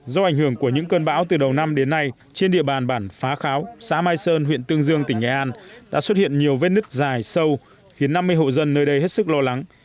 do ảnh hưởng của những cơn bão từ đầu năm đến nay trên địa bàn bản phá kháo xã mai sơn huyện tương dương tỉnh nghệ an đã xuất hiện nhiều vết nứt dài sâu khiến năm mươi hộ dân nơi đây hết sức lo lắng